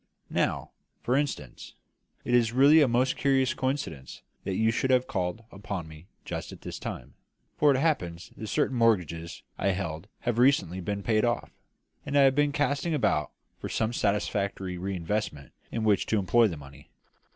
Now, for instance, it is really a most curious coincidence that you should have called upon me just at this time, for it happens that certain mortgages I held have recently been paid off, and I have been casting about for some satisfactory re investment in which to employ the money.